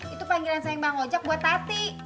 itu panggilan sayang bang ojek buat tati